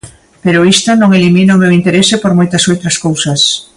Pero isto non elimina o meu interese por moitas outras cousas.